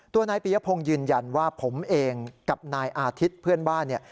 นายปียพงศ์ยืนยันว่าผมเองกับนายอาทิตย์เพื่อนบ้านเนี่ย